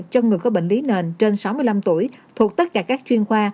cho người có bệnh lý nền trên sáu mươi năm tuổi thuộc tất cả các chuyên khoa